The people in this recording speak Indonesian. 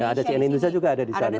ada cnn indonesia juga ada di sana